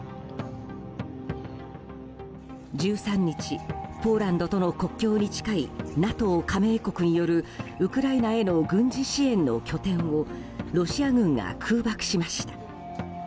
１３日、ポーランドとの国境に近いＮＡＴＯ加盟国によるウクライナへの軍事支援の拠点をロシア軍が空爆しました。